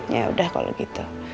yaudah kalau gitu